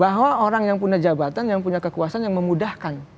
bahwa orang yang punya jabatan yang punya kekuasaan yang memudahkan